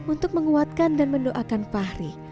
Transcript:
untuk menguatkan dan mendoakan fahri